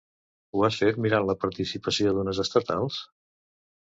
Ho ha fet mirant la participació d'unes estatals?